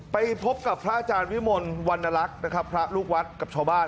ไปพบกับพระอาจารย์วิมลวันนลักษณ์นะครับพระลูกวัดกับชาวบ้าน